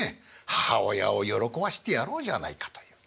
母親を喜ばしてやろうじゃないかという。